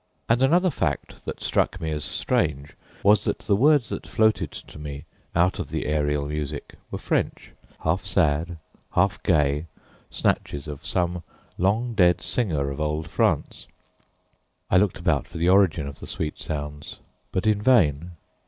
And another fact that struck me as strange was that the words that floated to me out of the aerial music were French, half sad, half gay snatches of some long dead singer of old France, I looked about for the origin of the sweet sounds, but in vain.